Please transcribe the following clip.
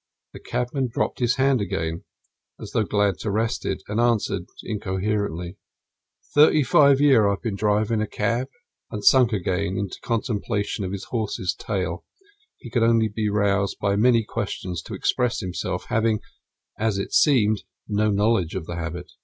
The cabman dropped his hand again, as though glad to rest it, and answered incoherently: "Thirty five year I've been drivin' a cab." And, sunk again in contemplation of his horse's tail, he could only be roused by many questions to express himself, having, as it seemed, no knowledge of the habit.